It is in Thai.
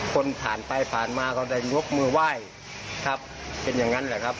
คนผ่านไปผ่านมาก็ได้ยกมือไหว้ครับเป็นอย่างนั้นแหละครับ